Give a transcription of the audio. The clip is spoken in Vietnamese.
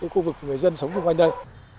khu vực người dân sống vùng quanh đây